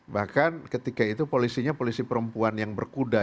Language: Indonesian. bahkan ketika itu polisinya polisi perempuan yang berkuda